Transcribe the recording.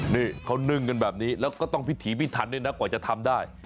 นี่เขานึ่งกันแบบนี้แล้วก็ต้องพิถีพิถันด้วยนะกว่าจะทำได้